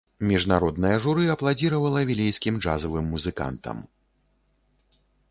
Міжнароднае журы апладзіравала вілейскім джазавым музыкантам.